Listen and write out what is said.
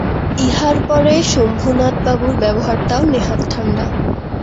ইহার পরে শম্ভুনাথবাবুর ব্যবহারটাও নেহাত ঠাণ্ডা।